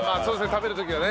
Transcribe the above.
食べる時はね。